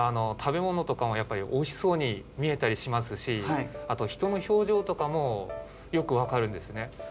食べ物とかもやっぱりおいしそうに見えたりしますしあと人の表情とかもよく分かるんですね。